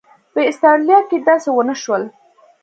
په اسټرالیا کې داسې ونه شول.